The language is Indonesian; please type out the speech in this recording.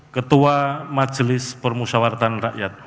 ketua majelis permusyawaratan rakyat